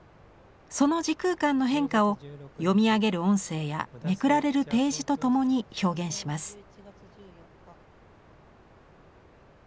その時空間の変化を読み上げる音声やめくられるページとともに表現します。